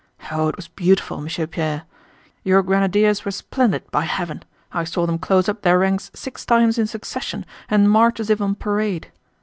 Oh, it was beautiful, Monsieur Pierre! Your grenadiers were splendid, by heaven! I saw them close up their ranks six times in succession and march as if on parade.